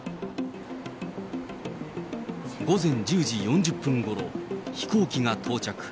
午前１０時４０分ごろ、飛行機が到着。